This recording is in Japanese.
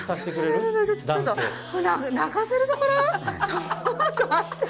ちょっと待って！